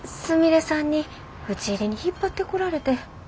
すみれさんにうちいりに引っ張ってこられて。